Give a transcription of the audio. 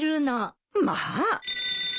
まあ。